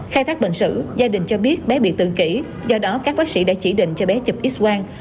khai thác bệnh sử gia đình cho biết bé bị tự kỷ do đó các bác sĩ đã chỉ định cho bé chụp x quang